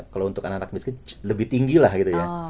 kalau untuk anak anak miskin lebih tinggi lah gitu ya